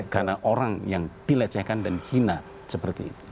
karena orang yang dilecehkan dan hina seperti itu